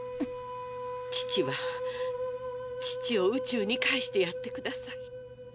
父は父を宇宙に返してやってください。